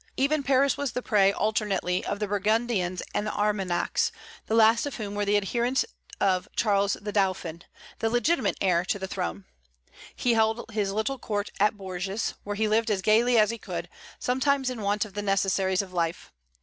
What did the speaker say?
Even Paris was the prey alternately of the Burgundians and the Armagnacs, the last of whom were the adherents of Charles the Dauphin, the legitimate heir to the throne. He held his little court at Bourges, where he lived as gaily as he could, sometimes in want of the necessaries of life.